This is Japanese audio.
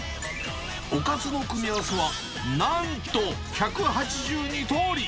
おかずの組み合わせは、なんと１８２通り。